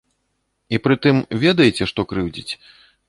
І пры тым, ведаеце, што крыўдзіць?